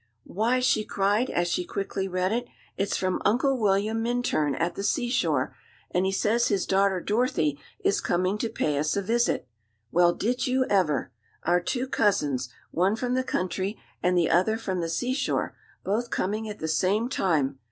"Why!" she cried, as she quickly read it "It's from Uncle William Minturn, at the seashore, and he says his daughter Dorothy is coming to pay us a visit. Well, did you ever! Our two cousins one from the country and the other from the seashore both coming at the same time!